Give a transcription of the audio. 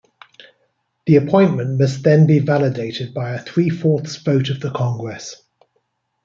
The appointment must then be validated by a three-fourths vote of the Congress.